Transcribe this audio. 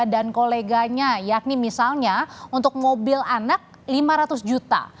koleganya yakni misalnya untuk mobil anak lima ratus juta